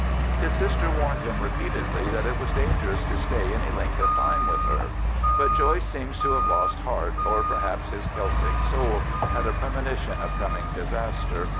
His sister warned him repeatedly that it was dangerous to stay any length of time with her; but Joyce seems to have lost heart, or perhaps his Celtic soul had a premonition of coming disaster.